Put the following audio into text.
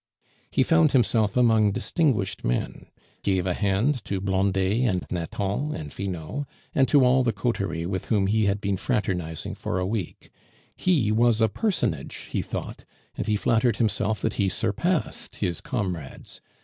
He found himself among distinguished men; gave a hand to Blondet and Nathan and Finot, and to all the coterie with whom he had been fraternizing for a week. He was a personage, he thought, and he flattered himself that he surpassed his comrades.